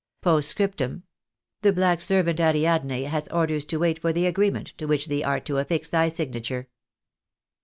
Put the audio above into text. " Post Scriptum. The black servant, Ariadne, has orders to wait for the agreement to which thee art to afiix thy signature."